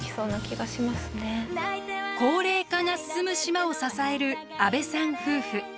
高齢化が進む島を支える安部さん夫婦。